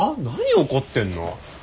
何怒ってんの？